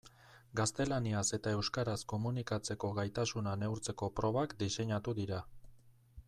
Gaztelaniaz eta euskaraz komunikatzeko gaitasuna neurtzeko probak diseinatu dira.